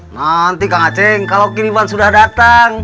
nanti kakak ceng kalau kiriman sudah datang